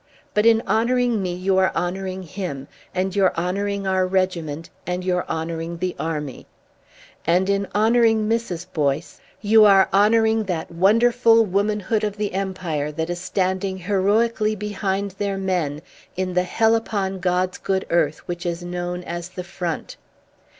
But in honouring me you are honouring him, and you're honouring our regiment, and you're honouring the army. And in honouring Mrs. Boyce, you are honouring that wonderful womanhood of the Empire that is standing heroically behind their men in the hell upon God's good earth which is known as the front."